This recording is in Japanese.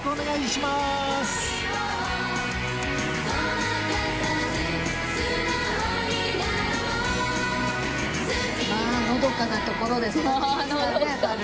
まあのどかなところで育ちましたね。